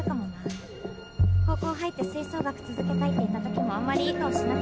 高校入って吹奏楽続けたいって言ったときもあんまりいい顔しなかった。